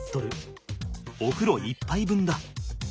おふろ１ぱい分だ。